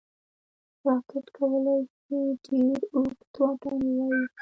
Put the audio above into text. راکټ کولی شي ډېر اوږد واټن ووايي